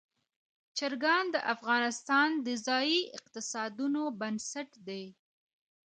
چرګان د افغانستان د ځایي اقتصادونو بنسټ دی.